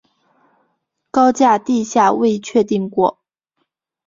高架地下未确定过。